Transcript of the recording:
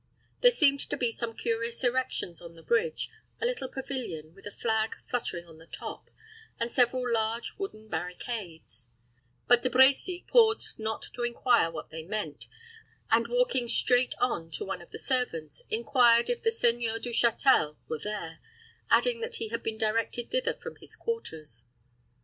There seemed to be some curious erections on the bridge: a little pavilion, with a flag fluttering on the top, and several large wooden barricades; but De Brecy paused not to inquire what they meant, and walking straight on to one of the servants, inquired if the Seigneur du Châtel were there, adding that he had been directed thither from his quarters.